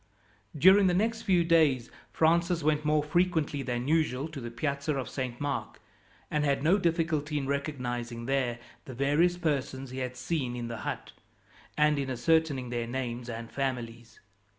During the next few days Francis went more frequently than usual to the Piazza of Saint Mark, and had no difficulty in recognizing there the various persons he had seen in the hut, and in ascertaining their names and families.